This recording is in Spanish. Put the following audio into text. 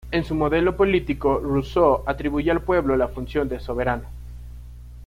En su modelo político, Rousseau atribuye al pueblo la función de soberano.